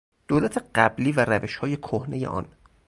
دولت قبلی و روشهای کهنهی آن